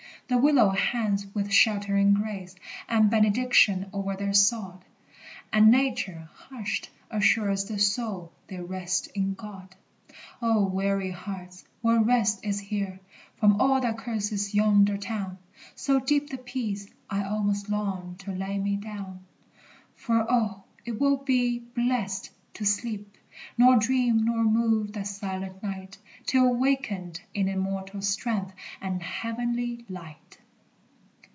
The willow hangs with sheltering grace And benediction o'er their sod, And Nature, hushed, assures the soul They rest in God. O weary hearts, what rest is here, From all that curses yonder town! So deep the peace, I almost long To lay me down. For, oh, it will be blest to sleep, Nor dream, nor move, that silent night, Till wakened in immortal strength And heavenly light!